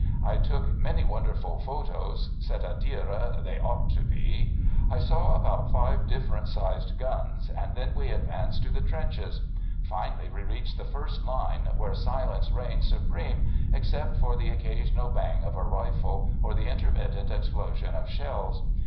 I took many wonderful photos (c'est a dire they ought to be), I saw about five different sized guns, and then we advanced to the trenches. Finally we reached the first line, where silence reigned supreme except for the occasional bang of a rifle or the inter mittent explosion of shells.